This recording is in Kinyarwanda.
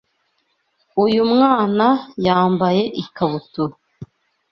Uyu mwana yambaye ikabutura.